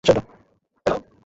তুমি কি বলতে চাউ?